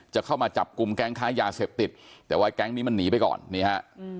จะเข้ามาจับกลุ่มแก๊งค้ายาเสพติดแต่ว่าแก๊งนี้มันหนีไปก่อนนี่ฮะ